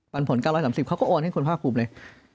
ผล๙๓๐เขาก็โอนให้คุณภาคภูมิเลย